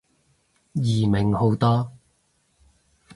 易明好多